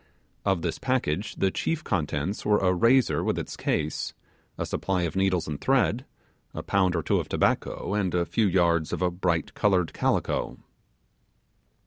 Of this package the chief contents were a razor with its case, a supply of needles and thread, a pound or two of tobacco and a few yards of bright coloured calico.